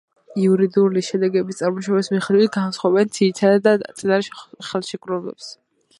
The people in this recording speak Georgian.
იურიდიული შედეგების წარმოშობის მიხედვით განასხვავებენ ძირითად და წინარე ხელშეკრულებებს.